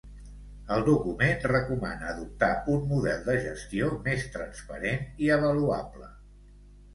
El document recomana adoptar un model de gestió més transparent i avaluable.